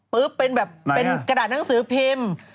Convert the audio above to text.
เป็นแบบเป็นกระดาษหนังสือพิมพ์